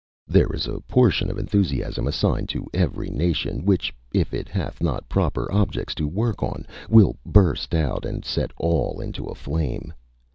There is a portion of enthusiasm assigned to every nation, which, if it hath not proper objects to work on, will burst out, and set all into a flame.